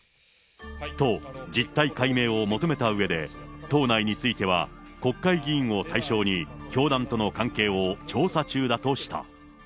と、実態解明を求めたうえで、党内については、国会議員を対象に、教団との関係を調査中だとした。